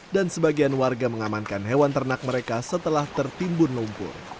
dan sebagian warga mengamankan hewan ternak mereka setelah tertimbun lumpur